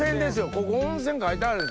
ここ「温泉」書いてあるんですよ。